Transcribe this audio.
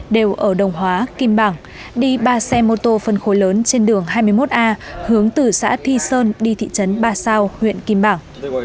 đều ở đồng hóa kim bảng đi ba xe mô tô phân khối lớn trên đường hai mươi một a hướng từ xã thi sơn đi thị trấn ba sao huyện kim bảng